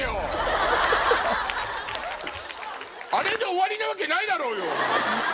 あれで終わりなわけないだろうよ！